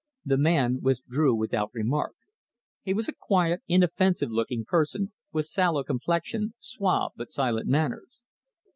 The man withdrew without remark. He was a quiet, inoffensive looking person, with sallow complexion, suave but silent manners.